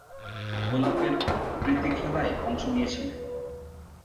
গোলাপের প্রীতিখেলায় অংশ নিয়েছিলেন।